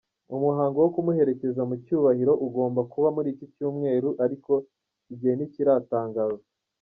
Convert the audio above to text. Umuhango wo kumuherekeza mu cyubahiro ugomba kuba muri iki cyumweru ariko igihe ntikiratangazwa.